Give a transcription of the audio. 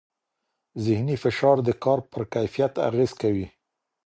ذهني فشار د کار پر کیفیت اغېز کوي.